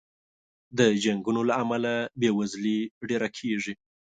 د جنګونو له امله بې وزلي ډېره کېږي.